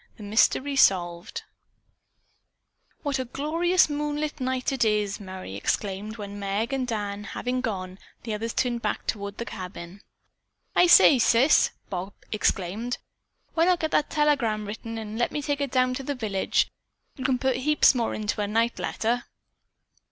THE MYSTERY SOLVED "What a glorious moonlit night it is!" Merry exclaimed when, Meg and Dan having gone, the others turned back toward the cabin. "I say, sis," Bob exclaimed, "why not get that telegram written and let me take it down to the village. You can put heaps more into a night letter."